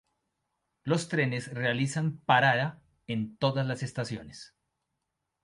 Los trenes realizan parada en todas las estaciones.